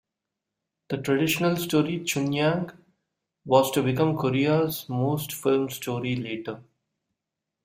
The traditional story, "Chunhyang", was to become Korea's most-filmed story later.